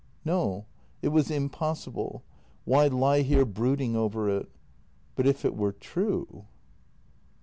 No; it was impossible. Why lie here brooding over it? But if it were true.